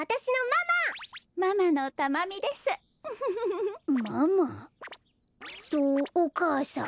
ママとおかあさん？